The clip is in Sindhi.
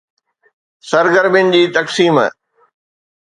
سرگرمين جي تقسيم